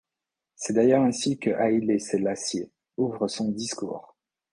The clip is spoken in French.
C'est d'ailleurs ainsi que Hailé Sélassié ouvre son discours.